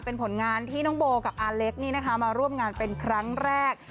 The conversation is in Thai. เป็นผลงานที่น้องโบกับอาเล็กนี่นะคะมาร่วมงานเป็นครั้งแรก